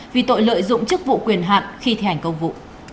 vì tội lợi dụng chức vụ quyền hạn khi thi hành công vụ